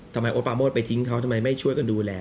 โอ๊ตปาโมดไปทิ้งเขาทำไมไม่ช่วยกันดูแล